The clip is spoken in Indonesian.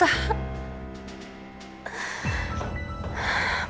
ya allah elsa